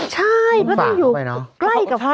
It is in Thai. ใช่เขาต้องอยู่ใกล้กับฟัย